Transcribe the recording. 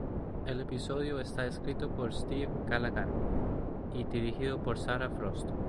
El episodio está escrito por Steve Callaghan y dirigido por Sarah Frost.